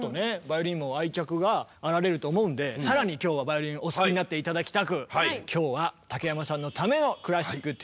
バイオリンにも愛着があられると思うんで更に今日はバイオリンお好きになって頂きたく今日は竹山さんのための「クラシックＴＶ」でございます。